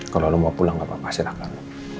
kalau lo mau pulang gak apa apa silahkan